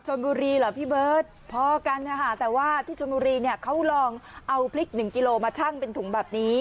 ชนบุรีเหรอพี่เบิร์ตพอกันนะคะแต่ว่าที่ชนบุรีเนี่ยเขาลองเอาพริกหนึ่งกิโลมาชั่งเป็นถุงแบบนี้